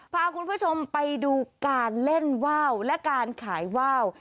พาคุณผู้ชมไปดูการเล่นว่าวและการขายว่าว